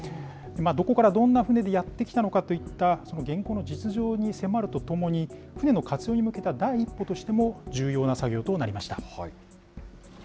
どこからどんな船でやって来たのかといった、元寇の実像に迫るとともに、船の活用に向けた第一歩としても、重要な作業となりました。